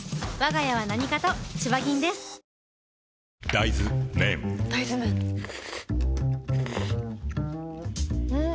大豆麺ん？